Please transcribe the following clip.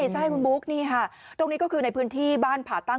ใช่คุณบุ๊คนี่ค่ะตรงนี้ก็คือในพื้นที่บ้านผ่าตั้ง